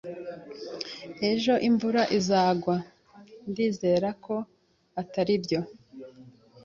"Ejo imvura izagwa?" "Ndizera ko atari byo."